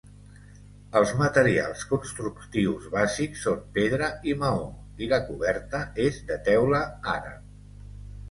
Els materials constructius bàsics són pedra i maó, i la coberta és de teula àrab.